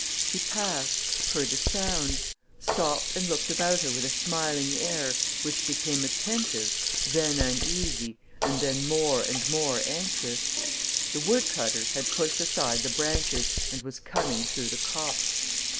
She passed, heard a sound, stopped and looked about her with a smiling air which became attentive, then uneasy, and then more and more anxious. The woodcutter had pushed aside the branches and was coming through the copse.